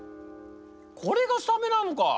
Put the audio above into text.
これがサメなのか。